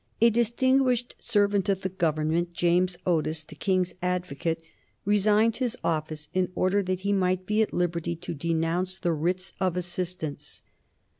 A distinguished servant of the Government, James Otis, the King's Advocate, resigned his office in order that he might be at liberty to denounce the Writs of Assistance.